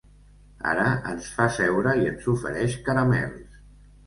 Ara ens fa seure i ens ofereix caramels.